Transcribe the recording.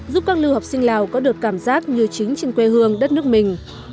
giúp các lưu học sinh lào có được cảm giác như chính trên quê hương đất nước mình